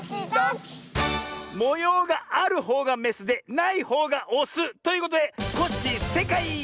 もようがあるほうがメスでないほうがオスということでコッシーせいかい！